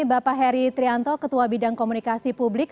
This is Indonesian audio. bapak heri trianto ketua bidang komunikasi publik